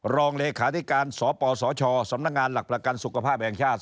รองเลขาธิการสปสชสำนักงานหลักประกันสุขภาพแห่งชาติ